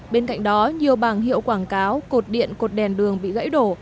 bên cạnh đó nhiều bảng hiệu quảng cáo cột điện cột đèn đường bị gãy đổ